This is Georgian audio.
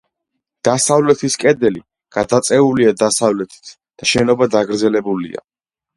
დასავლეთის კედელი გადაწეულია დასავლეთით და შენობა დაგრძელებულია.